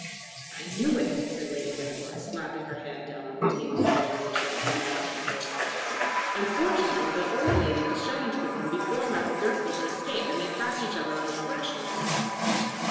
"I knew it," said Lady Glencora, slapping her hand down on the table in the room in which she was sitting with Madame Goesler. Unfortunately the old lady was shown into the room before Madame Goesler could escape, and they passed each other on the threshold.